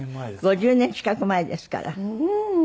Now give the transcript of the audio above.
５０年近く前ですから。